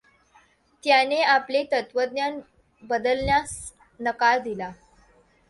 त्याने आपले तत्त्वज्ञान बदलण्यास नकार दिला.